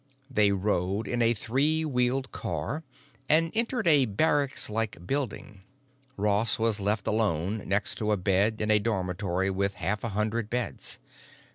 They rode in a three wheeled car, and entered a barracks like building. Ross was left alone next to a bed in a dormitory with half a hundred beds.